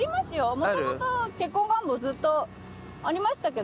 もともと結婚願望ずっとありましたけど。